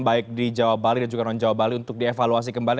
baik di jawa bali dan juga non jawa bali untuk dievaluasi kembali